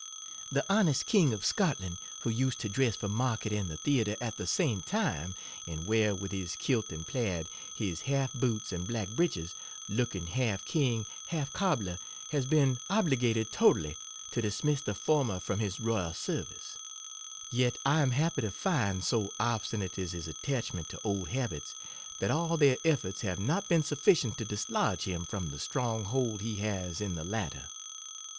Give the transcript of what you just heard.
The honest King of Scot land, who used to dress for market and the atre at the same time, and wear with his kelt 59 and plaid his half boots and black breeches, looking half king, half cobbler, has been oblig ed totally to dismiss the former from his royal service; yet I am happy to find, so obstinate is his attachment to old habits, that all their efforts have not been sufficient to dislodge him from the strong hold he has in the latter.